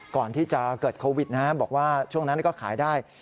ก่อนที่จะเกิดโควิดบอกว่าช่วงนั้นก็ขายได้